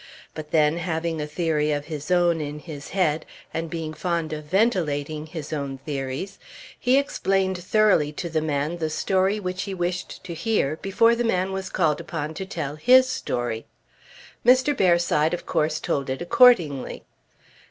But then having a theory of his own in his head, and being fond of ventilating his own theories, he explained thoroughly to the man the story which he wished to hear before the man was called upon to tell his story. Mr. Bearside of course told it accordingly.